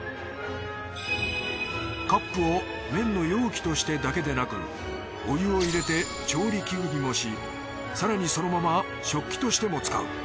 カップを麺の容器としてだけでなくお湯を入れて調理器具にもし更にそのまま食器としても使う。